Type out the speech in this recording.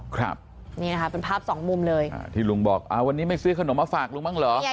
ครับนี่นะคะเป็นภาพสองมุมเลยอ่าที่ลุงบอกอ่าวันนี้ไม่ซื้อขนมมาฝากลุงบ้างเหรอใช่